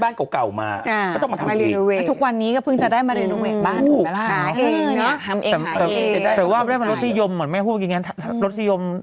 เราหาเองเราหาเองเนี่ยเราหาเองเนี่ย